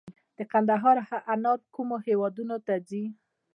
د کندهار انار کومو هیوادونو ته ځي؟